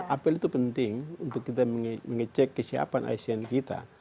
apel itu penting untuk kita mengecek kesiapan asn kita